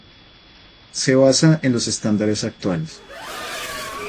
Se basa en los estándares actuales.